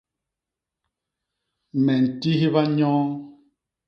Me ntihba nyoo.